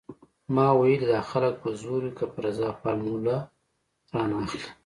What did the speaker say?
ما ويلې دا خلک په زور وي که په رضا فارموله رانه اخلي.